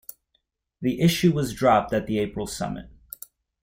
The issue was dropped at the April summit.